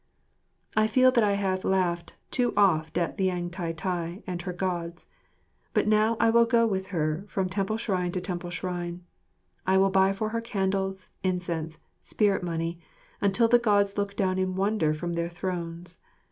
I feel that I have laughed too oft at Liang Tai tai and her Gods, but now I will go with her from temple shrine to temple shrine. I will buy for her candles, incense, spirit money, until the Gods look down in wonder from their thrones.